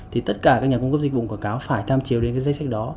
thì tất cả các nhà cung cấp dịch vụ quảng cáo phải tham chiều đến cái danh sách đó